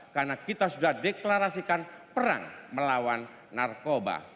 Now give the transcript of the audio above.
karena kita sudah deklarasikan perang melawan narkoba